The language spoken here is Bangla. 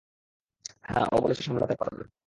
হ্যাঁ, ও বলেছে সামলাতে পারবে।